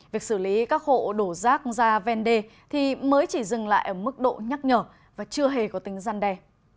việc xử lý các hộ đổ rác ra ven đê mới chỉ dừng lại ở mức độ nhắc nhở và chưa hề có tính gian đe